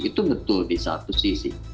itu betul di satu sisi